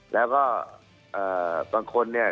แล้วก็บางคนเนี่ย